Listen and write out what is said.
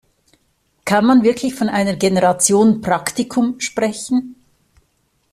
Kann man wirklich von einer Generation Praktikum sprechen?